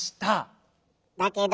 「だけど」